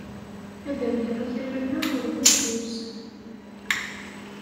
Ad awyeɣ akraren-a ɣer wulzuz.